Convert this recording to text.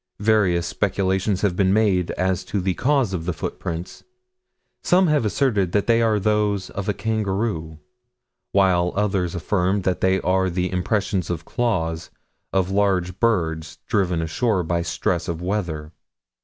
Various speculations have been made as to the cause of the footprints. Some have asserted that they are those of a kangaroo, while others affirm that they are the impressions of claws of large birds driven ashore by stress of weather.